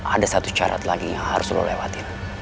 ada satu carat lagi yang harus lu lewatin